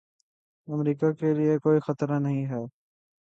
امریکا کے لیے کوئی خطرہ نہیں ہیں